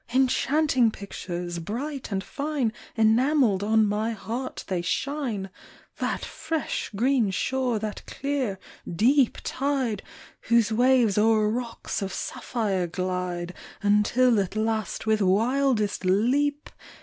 Enchanting pictures ! bright and fine. Enamelled on my heart they shine, — That fresh, green shore, that clear, deep tide, Whose waves o'er rocks of sapphire glide. Until at last, with wildest leap.